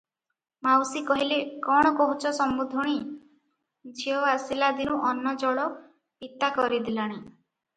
ମାଉସୀ କହିଲେ, "କଣ କହୁଛ ସମୁନ୍ଧୁଣୀ, ଝିଅ ଆସିଲା ଦିନୁ ଅନ୍ନ ଜଳ ପିତା କରିଦେଲାଣି ।